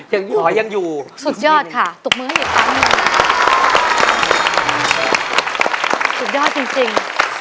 หยุดด้าจริง